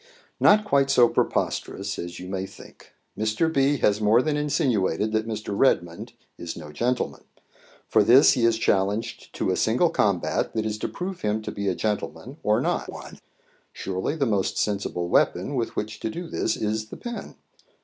"Not quite so preposterous as you may think. Mr. B. has more than insinuated that Mr. Redmond is no gentleman. For this he is challenged to a single combat that is to prove him to be a gentleman or not one. Surely the most sensible weapon with which to do this is the pen.